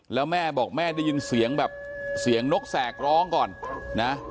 แล้วแม่บอกแม่ได้ยินเสียงแบบเสียงนกแสกร้องก่อนนะ